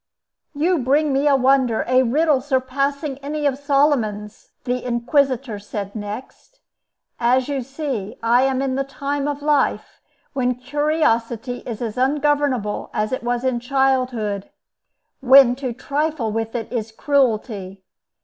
"You bring me a wonder—a riddle surpassing any of Solomon's," the inquisitor said next. "As you see, I am in the time of life when curiosity is as ungovernable as it was in childhood, when to trifle with it is cruelty.